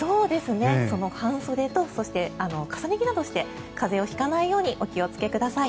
その半袖とそして重ね着などをして風邪を引かないようにお気をつけください。